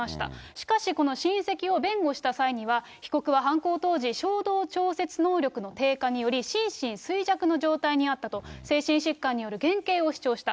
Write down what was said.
しかしこの親戚を弁護した際には、被告は犯行当時、衝動調節能力の低下により、心身衰弱の状態にあったと、精神疾患による減刑を主張した。